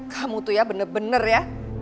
kamu tuh ya bener bener ya